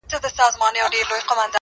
o نظم لږ اوږد دی امید لرم چي وې لولی,